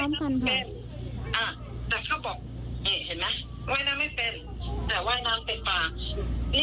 แล้วก็มันไปรวมกับเรื่องเบื้องประกัน